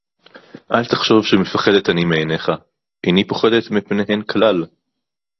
אל תחשוב שמפחדת אני מעיניך. איני פוחדת מפניהן כלל.